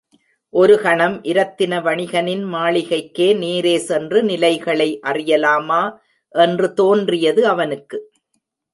ஒருகணம் இரத்தின வணிகளின் மாளிகைக்கே நேரே சென்று நிலைகளை அறியலாமா என்று தோன்றியது அவனுக்கு.